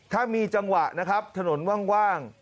ถ้ามีจังหวะนะครับถนนว่าง